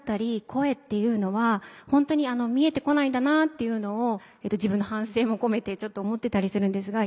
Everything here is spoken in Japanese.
声っていうのは本当に見えてこないんだなっていうのを自分の反省も込めてちょっと思ってたりするんですが。